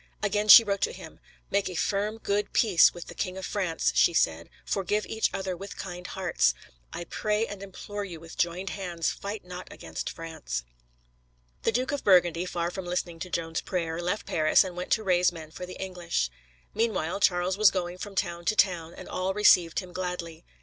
Again she wrote to him: "Make a firm, good peace with the King of France," she said; "forgive each other with kind hearts"; "I pray and implore you, with joined hands, fight not against France." The Duke of Burgundy, far from listening to Joan's prayer, left Paris and went to raise men for the English. Meanwhile, Charles was going from town to town, and all received him gladly.